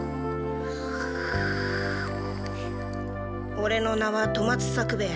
オレの名は富松作兵衛。